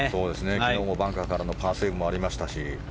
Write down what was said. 昨日もバンカーからのパーセーブもありましたし。